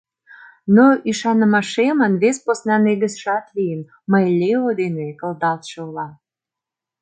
Но ӱшанымашемын вес посна негызшат лийын: мый Лео дене кылдалтше улам.